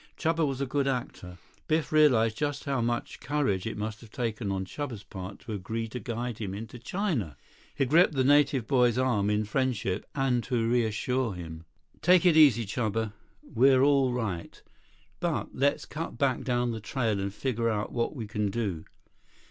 Chuba was a good actor. Biff realized just how much courage it must have taken on Chuba's part to agree to guide him into China. He gripped the native boy's arm in friendship and to reassure him. 82 "Take it easy, Chuba. We're all right. But let's cut back down the trail and figure out what we can do."